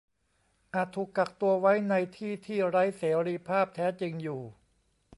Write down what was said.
อาจถูกกักตัวไว้ในที่ที่ไร้เสรีภาพแท้จริงอยู่